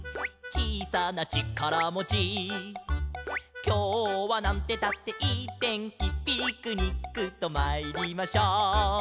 「ちいさなちからもち」「きょうはなんてったっていいてんき」「ピクニックとまいりましょう」